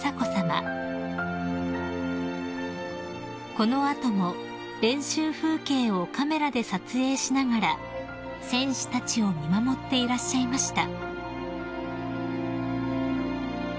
［この後も練習風景をカメラで撮影しながら選手たちを見守っていらっしゃいました］